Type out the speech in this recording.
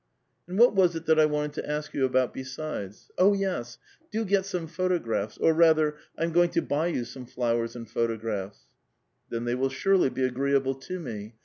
^* And what was it that I wanted to ask you about besides? J^^' yos I do get some photographs ; or rather, I'm going to "^y you some flowers and photographs." ^ Then they will surely be agreeable to me.